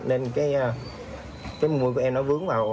nên cái mũi của em nó vướng vào